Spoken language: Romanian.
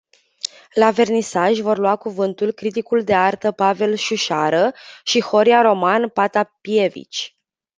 La vernisaj vor lua cuvântul criticul de artă Pavel Șușară și Horia Roman Patapievici.